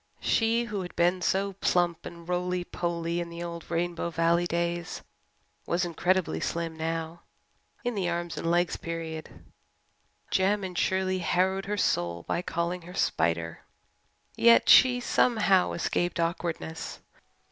She, who had been so plump and roly poly in the old Rainbow Valley days, was incredibly slim now, in the arms and legs period. Jem and Shirley harrowed her soul by calling her "Spider." Yet she somehow escaped awkwardness.